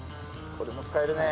これも使えるね。